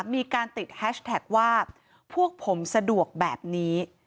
มีการติดแฮชแท็กว่าพวกผมสะดวกแบบนี้